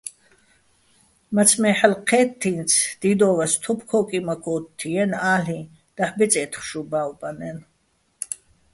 მაცმე ჰ̦ალო̆ ჴე́თთი́ნც, დიდო́ვას თოფ ქო́კიმაქ ო́თთჲიენი̆, ა́ლ'იჼ: დაჰ̦ ბეწე́თხ შუ ბა́ვბანაჲნო̆.